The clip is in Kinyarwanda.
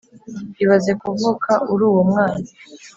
ibaze kuvuka uruwo mwana